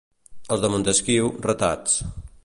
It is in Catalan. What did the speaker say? Els de Montesquiu, ratats.